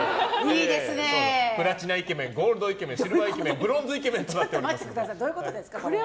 プラチナイケメンゴールドイケメンシルバーイケメンブロンズイケメンとなっております。